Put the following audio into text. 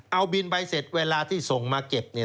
เอาบินใบเสร็จเวลาที่ส่งมาเก็บเนี่ย